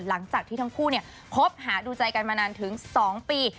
หลังจากที่ทั้งคู่คบหาดูใจกันมานานถึง๒ปี